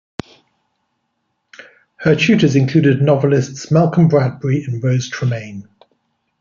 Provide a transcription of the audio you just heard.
Her tutors included novelists Malcolm Bradbury and Rose Tremain.